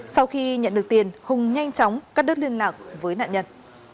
sau khi nhận được tiền hùng nhanh chóng cắt đứt liên lạc với nạn nhân